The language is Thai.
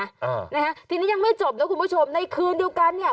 อ่านะฮะทีนี้ยังไม่จบนะคุณผู้ชมในคืนเดียวกันเนี่ย